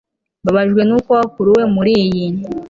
mbabajwe nuko wakuruwe muriyi